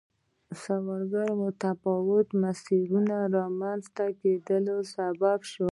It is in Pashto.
سوداګري د متفاوتو مسیرونو د رامنځته کېدو سبب شوه.